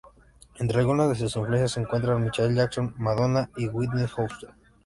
Entre algunas de sus influencias se encuentran Michael Jackson, Madonna y Whitney Houston.